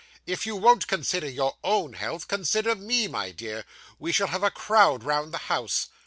If you won't consider your own health, consider me, my dear. We shall have a crowd round the house.